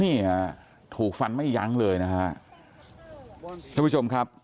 นี่ฮะถูกฟันไม่ยั้งเลยนะฮะท่านผู้ชมครับ